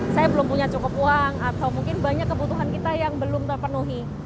saya belum punya cukup uang atau mungkin banyak kebutuhan kita yang belum terpenuhi